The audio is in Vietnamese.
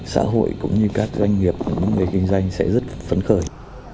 xã hội cũng như các doanh nghiệp những người kinh doanh sẽ rất phấn khởi